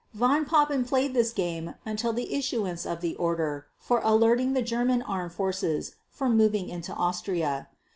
Von Papen played this game until the issuance of the order for alerting the German Armed Forces for moving into Austria.